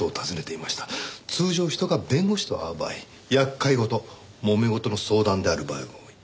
通常人が弁護士と会う場合厄介事もめ事の相談である場合が多い。